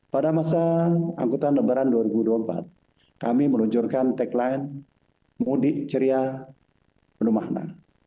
pada masa angkutan lebaran dua ribu dua puluh empat kami meluncurkan tagline mudik ceria penuh makna